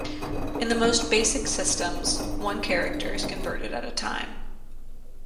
In the most basic systems, one character is converted at a time.